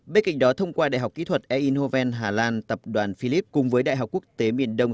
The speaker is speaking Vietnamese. bên cạnh đó thông qua đại học kỹ thuật e innoven hà lan tập đoàn philips cùng với đại học quốc tế miền đông